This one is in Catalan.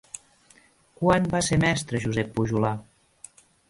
Quan va ser mestre Josep Pujolar?